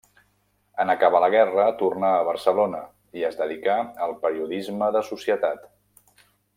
En acabar la guerra, tornà a Barcelona i es dedicà al periodisme de societat.